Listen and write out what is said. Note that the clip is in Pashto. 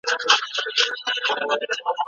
زده کړې نجونې د خلکو ترمنځ سوله ټينګوي.